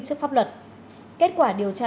trước pháp luật kết quả điều tra